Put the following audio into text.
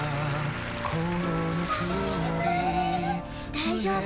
大丈夫。